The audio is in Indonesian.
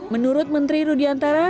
menurut menteri rudiantara